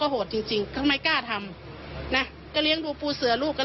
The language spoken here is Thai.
แม่ก็เลยบอกให้มามอบตัวตายแต่ว่าส่วนหนึ่งก็เพราะลูกชาย